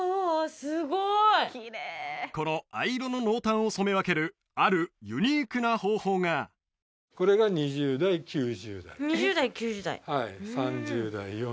すごいこの藍色の濃淡を染め分けるあるユニークな方法が２０代９０代はい